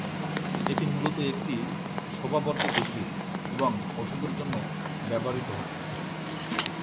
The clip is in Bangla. এটি মূলত একটি শোভাবর্ধক উদ্ভিদ এবং ওষুধের জন্য ব্যবহৃত হত।